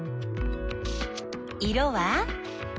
色は？